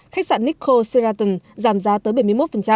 khách sạn nikko seraton giảm giá tới bảy mươi một